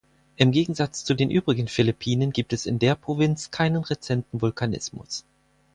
Im Gegensatz zu den übrigen Philippinen gibt es in der Provinz keinen rezenten Vulkanismus.